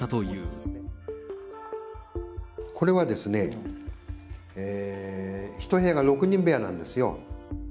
これはですね、１部屋が６人部屋なんですよ。